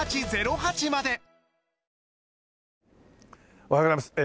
おはようございます。